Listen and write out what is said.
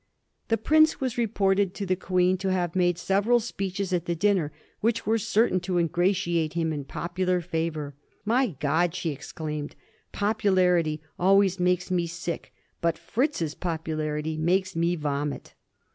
The prince was reported to the Queen to have made several speeches at the dinner which were certain to ingratiate him in popular favor. '^ My God !" she exclaimed, ^' popularity always makes me sick; but Fritz's popularity makes me vomit."